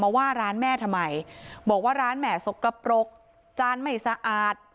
ว่าร้านแม่ทำไมบอกว่าร้านแหม่สกปรกจานไม่สะอาด